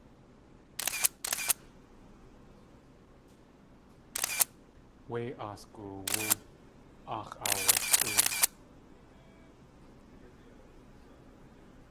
Wé aas goowú aax̲ aawasʼúw.